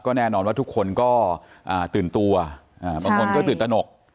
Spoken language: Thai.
แน่นอนว่าทุกคนก็ตื่นตัวบางคนก็ตื่นตนก